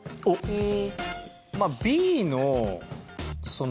へえ。